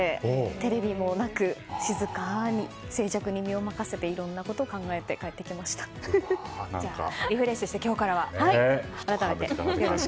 テレビもなく、静かに静寂に身を任せていろんなことを考えリフレッシュして今日からは。